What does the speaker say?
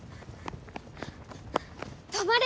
止まれ！